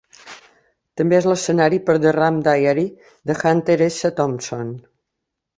També és l'escenari per "The Rum Diary" de Hunter S. Thompson.